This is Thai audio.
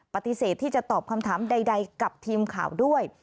ปฏิเสธที่จะตอบคำถามใดกับทีมข่าวด้วย